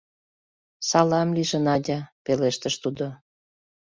— Салам лийже, Надя, — пелештыш тудо.